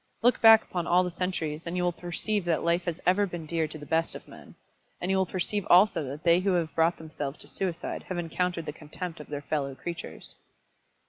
Look back upon all the centuries, and you will perceive that life has ever been dear to the best of men. And you will perceive also that they who have brought themselves to suicide have encountered the contempt of their fellow creatures."